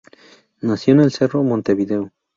Nació en el Cerro, Montevideo.